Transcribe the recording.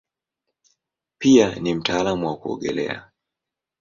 Pia ni mtaalamu wa kuogelea.